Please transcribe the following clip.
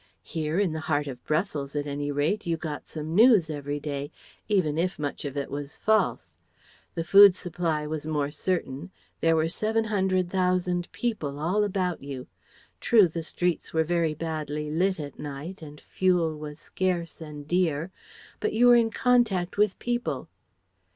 Here, in the heart of Brussels, at any rate, you got some news every day, even if much of it was false. The food supply was more certain, there were 700,000 people all about you. True, the streets were very badly lit at night and fuel was scarce and dear. But you were in contact with people.